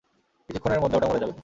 কিছুক্ষণের মধ্যে ওটা মরে যাবে।